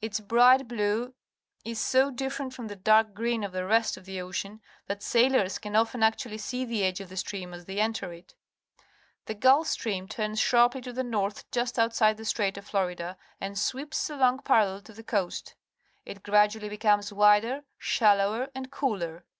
Its bright blue is so different from the dark green of the rest of tlie ocean that sailors can often THE OCEAN 49 actually see the edge of the stream as they enter it. The Gulf Stream turns sharply to the north just outside the Strait of Florida and sweeps along parallel to the coast. It gradually becomes wider, shallower, and cooler.